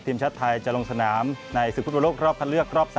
ทีมชาติไทยจะลงสนามในศึกฟุตบอลโลกรอบคันเลือกรอบ๓